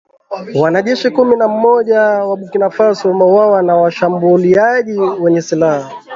Wanajeshi kumi na mmoja wa Burkina Faso wameuawa na washambuliaji wenye silaha